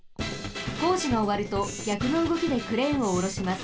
こうじがおわるとぎゃくのうごきでクレーンをおろします。